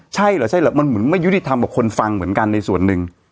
ใช่เหรอใช่เหรอมันเหมือนไม่ยุติธรรมกับคนฟังเหมือนกันในส่วนหนึ่ง